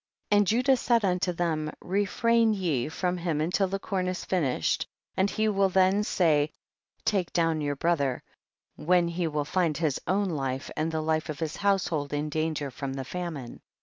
6. And Judah said unto them, re frain ye from him until the corn is finished, and he will then say, take down your brother, when he will find his oxvn life and the life of his house hold in danger from the famine.